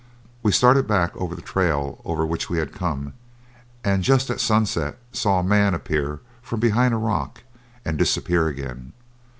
We started back over the trail over which we had come, and just at sunset saw a man appear from behind a rock and disappear again.